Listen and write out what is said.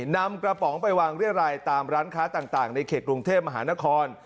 นำกระป๋องไปวางเรียรายตามร้านค้าต่างในเขตกรุงเทพมหานคร